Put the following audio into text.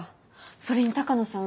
それに鷹野さん